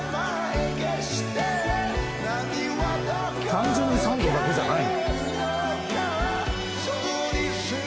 「単純に３度だけじゃない」